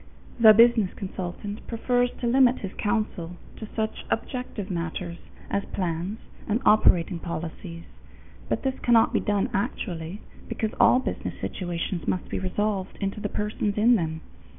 The business consultant prefers to limit his counsel to such objective matters as plans and operating policies, but this cannot be done actually, because all business situations must be resolved into the persons in them.